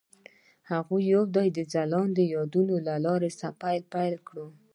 هغوی یوځای د ځلانده یادونه له لارې سفر پیل کړ.